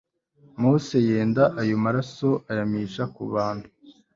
mose yenda ayo maraso ayamisha ku bantu